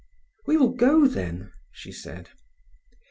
"We will go, then," she said.